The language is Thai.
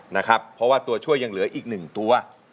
นะครับเพราะว่าตัวช่วยยังเหลืออีกหนึ่งตัว